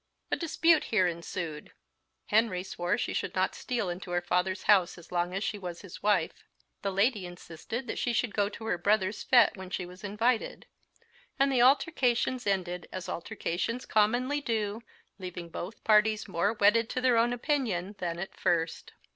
A dispute here ensued. Henry swore she should not steal into her father's house as long as she was his wife. The lady insisted that she should go to her brother's fete when she was invited; and the altercations ended as altercations commonly do, leaving both parties more wedded to their own opinion than at first.